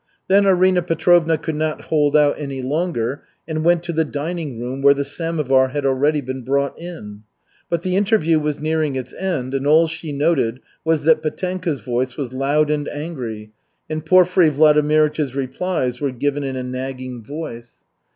Then Arina Petrovna could not hold out any longer and went to the dining room, where the samovar had already been brought in. But the interview was nearing its end, and all she noted was that Petenka's voice was loud and angry, and Porfiry Vladimirych's replies were given in a nagging voice.